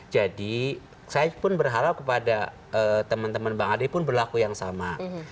jadi saya pun berharap kepada teman teman bang ade pun berlaku yang sama